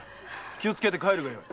気をつけて帰るがよい。